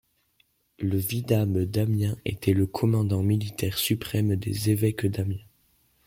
Le vidame d'Amiens était le commandant militaire suprême des évêques d'Amiens.